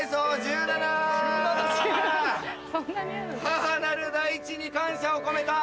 母なる大地に感謝を込めた